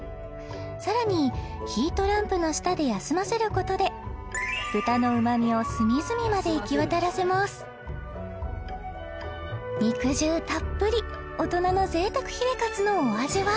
さらにヒートランプの下で休ませることで豚のうまみを隅々まで行き渡らせます肉汁たっぷり大人の贅沢ひれかつのお味は？